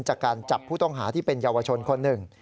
จากการจับผู้ต้องหาที่เป็นเยาวชนคนหนึ่ง